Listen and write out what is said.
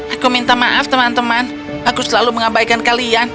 aku minta maaf teman teman aku selalu mengabaikan kalian